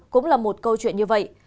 cũng là một câu chuyện như vậy